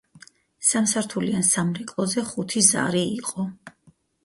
სამსართულიან სამრეკლოზე ხუთი ზარი იყო.